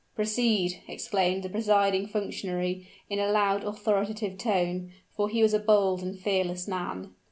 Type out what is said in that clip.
"Proceed!" exclaimed the presiding functionary in a loud authoritative tone; for he was a bold and fearless man.